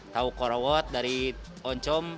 tahu korowot dari oncom